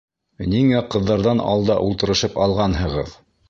Ниңә ҡыҙҙарҙан алда ултырышып алғанһығыҙ?